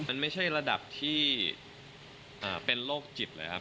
มันไม่ใช่ระดับที่เป็นโรคจิตเลยครับ